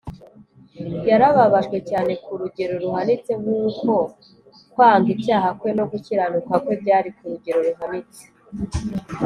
yarababajwe cyane ku rugero ruhanitse, nk’uko kwanga icyaha kwe no gukiranuka kwe byari ku rugero ruhanitse